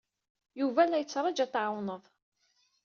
Yuba la yettṛaju ad t-tɛawned.